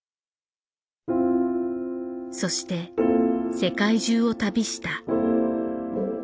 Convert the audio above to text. そして世界中を旅した。